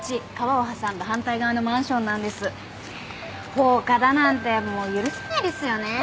放火だなんてもう許せないですよね。